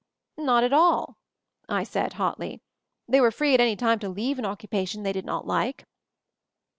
"Not at all," I said hotly. "They were free at any time to leave an occupation they did not like."